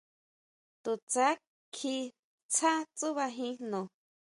To tsja kjí tsá tsúʼba jín jno.